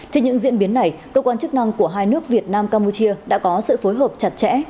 trên những diễn biến này cơ quan chức năng của hai nước việt nam campuchia đã có sự phối hợp chặt chẽ